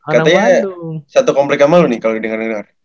katanya satu komplek ama lu nih kalau denger denger